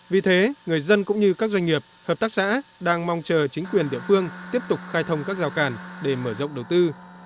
vì thế người dân cũng như các doanh nghiệp hợp tác xã đang mong chờ chính quyền địa phương tiếp tục khai thông các rào càn để mở rộng đầu tư